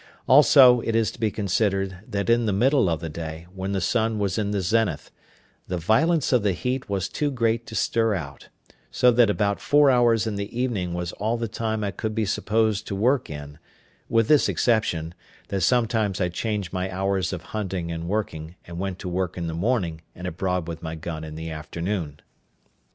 Also, it is to be considered, that in the middle of the day, when the sun was in the zenith, the violence of the heat was too great to stir out; so that about four hours in the evening was all the time I could be supposed to work in, with this exception, that sometimes I changed my hours of hunting and working, and went to work in the morning, and abroad with my gun in the afternoon.